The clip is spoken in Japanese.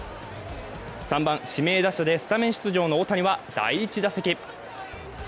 ３番・指名打者でスタメン出場の大谷は第１打席。